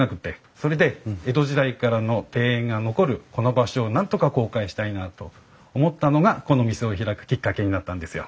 それで江戸時代からの庭園が残るこの場所をなんとか公開したいなと思ったのがこの店を開くきっかけになったんですよ。